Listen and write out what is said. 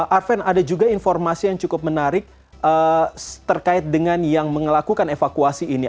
arven ada juga informasi yang cukup menarik terkait dengan yang melakukan evakuasi ini